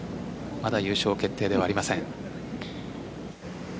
まだ優勝決定ではありません。